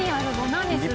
何するの？